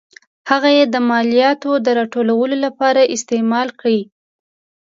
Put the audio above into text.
هغه یې د مالیاتو راټولولو لپاره استعمال کړ.